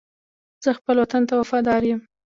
زه خپل وطن ته وفادار یم.